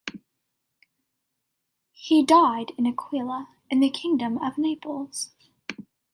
He died in Aquila, in the Kingdom of Naples.